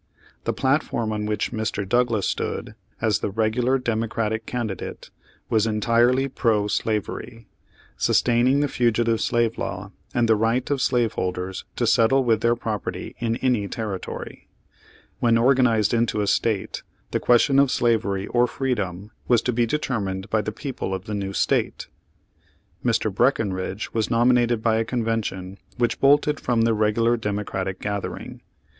The platform on which Mr. Douglas stood, as the regular Democratic candi date, was entirely pro slavery; sustaining the Fugitive Slave Law and the right of slaveholders to settle with their property in any territory. When organized into a State the question of slavery or freedom was to be determined by the people of the new State. Mr. Breckenridge was nominated by a convention which bolted from the regular Democratic gathering.